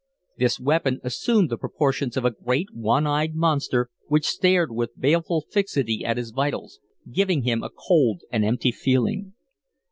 This weapon assumed the proportions of a great, one eyed monster, which stared with baleful fixity at his vitals, giving him a cold and empty feeling.